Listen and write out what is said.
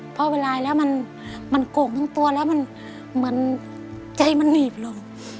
เพราะเวลาแล้วมันโกกทั้งตัวแล้วมันเหมือนใจมันหนีบลง